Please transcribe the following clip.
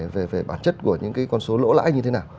về bản chất của những con số lỗ lãi như thế nào